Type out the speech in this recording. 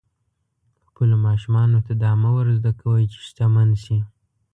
خپلو ماشومانو ته دا مه ور زده کوئ چې شتمن شي.